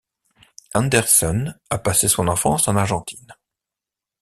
Anderson a passé son enfance en Argentine.